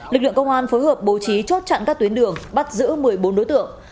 lực lượng công an phối hợp bố trí chốt chặn các tuyến đường bắt giữ một mươi bốn đối tượng